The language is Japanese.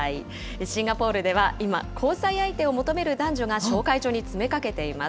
シンガポールでは今、交際相手を求める男女が、紹介所に詰めかけています。